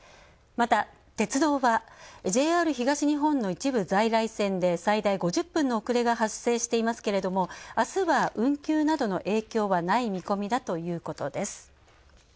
また、鉄道はＪＲ東日本の一部在来線で最大５０分の遅れが発生していますけども、あすは運休などの影響はない見込みだということです。